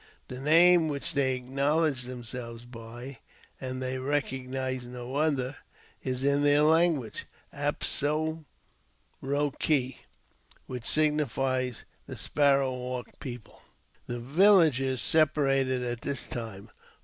The name which they acknow ledge themselves by, and they recognize no other, is in theii language Ap sah ro kee, which signifies the Sparrowhawk people. The villages separated at this time.